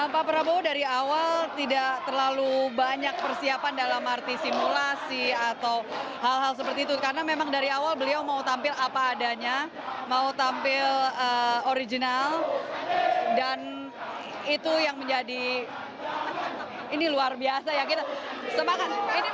pak prabowo dari awal tidak terlalu banyak persiapan dalam arti simulasi atau hal hal seperti itu karena memang dari awal beliau mau tampil apa adanya mau tampil original dan itu yang menjadi ini luar biasa ya kita semangat